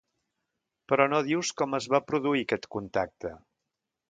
Però no dius com es va produir aquest contacte.